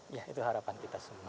ya itu harapan kita semua